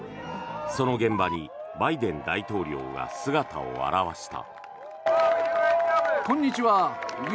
その現場にバイデン大統領が姿を現した。